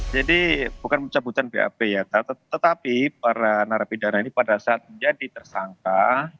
jadi bukan pencabutan bap ya tetapi para narapidana ini pada saat menjadi tersangka